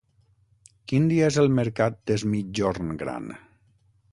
Quin dia és el mercat d'Es Migjorn Gran?